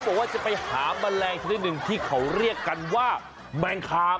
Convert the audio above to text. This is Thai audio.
บอกว่าจะไปหาแมลงชนิดหนึ่งที่เขาเรียกกันว่าแมงคาม